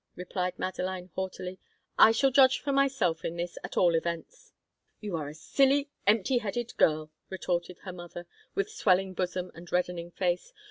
replied Madeline, haughtily. "I shall judge for myself in this, at all events." "You are a silly, empty headed girl!" retorted her mother, with swelling bosom and reddening face.